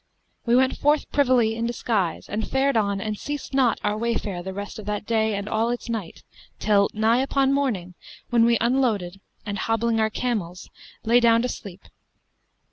We went forth privily in disguise and fared on and ceased not our wayfare the rest of that day and all its night, till nigh upon morning, when we unloaded and, hobbling our camels, lay down to sleep.